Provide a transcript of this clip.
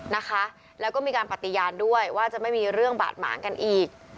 นะคะแล้วก็มีการปฏิญาณด้วยว่าจะไม่มีเรื่องบาดหมางกันอีก